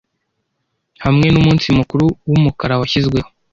hamwe n'umunsi mukuru w'umukara washyizweho